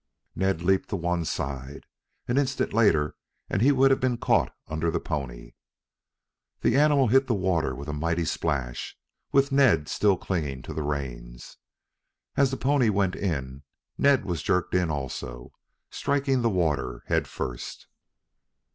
Ned leaped to one side. An instant later, and he would have been caught under the pony. The animal hit the water with a mighty splash, with Ned still clinging to the reins. As the pony went in, Ned was jerked in also, striking the water head first.